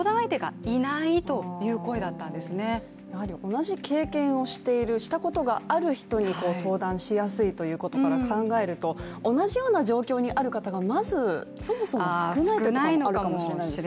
同じ経験をしている、したことがある人に相談しやすいということから考えると、同じような状況にある方が少ないということがあるかもしれないですね。